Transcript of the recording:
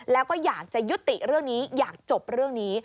แล้วก็อยากจะยุติเรื่องนี้อยากจบเรื่องนี้